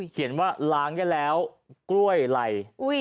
เขียนว่าล้างได้แล้วกล้วยไหล่